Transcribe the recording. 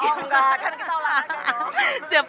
oh nggak karena kita tahu lah